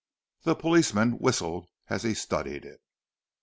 The policeman whistled as he studied it.